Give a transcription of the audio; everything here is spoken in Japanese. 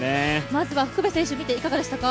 まずは福部選手見ていかがでしたか？